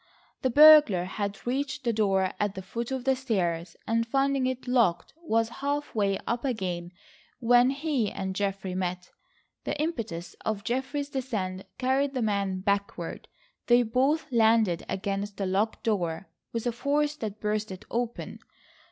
The burglar had reached the door at the foot of the stairs, and finding it locked was half way up again when he and Geoffrey met. The impetus of Geoffrey's descent carried the man backward. They both landed against the locked door with a force that burst it open.